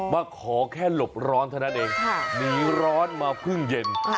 มาขอแค่หลบร้อนเท่านั้นเองหนีร้อนมาเพิ่งเย็น